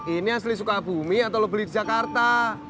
ini asli sukabumi atau lo beli di jakarta